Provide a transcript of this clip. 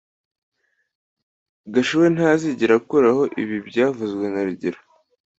Gashuhe ntazigera akuraho ibi byavuzwe na rugero